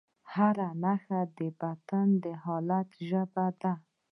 هره نښه د بدن د حالت ژبه ده.